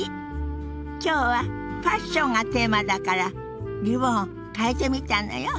今日は「ファッション」がテーマだからリボンを替えてみたのよ。